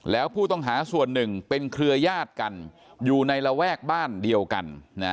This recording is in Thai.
แล้วผู้ต้องหาส่วนหนึ่งเป็นเครือญาติกันอยู่ในระแวกบ้านเดียวกัน